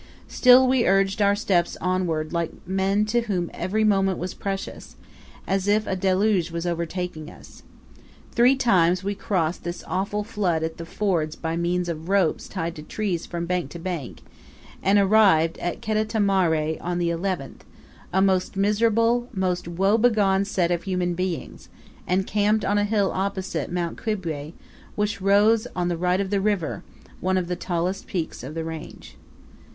Still we urged our steps onward like men to whom every moment was precious as if a deluge was overtaking us. Three times we crossed this awful flood at the fords by means of ropes tied to trees from bank to bank, and arrived at Kadetamare on the 11th, a most miserable, most woe begone set of human beings; and camped on a hill opposite Mount Kibwe, which rose on the right of the river one of the tallest peaks of the range.